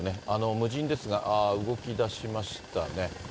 無人ですが動きだしましたね。